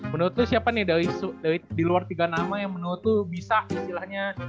menurut lu siapa nih di luar tiga nama yang menurut lu bisa istilahnya